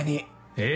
え？